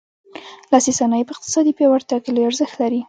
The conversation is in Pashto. لاسي صنایع په اقتصادي پیاوړتیا کې لوی ارزښت لري.